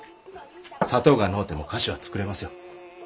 砂糖がのうても菓子は作れますよ。